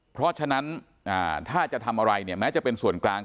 เพราะฉะนั้นถ้าจะทำอะไรเนี่ยแม้จะเป็นส่วนกลาง